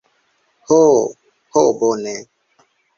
Ho, ho bone.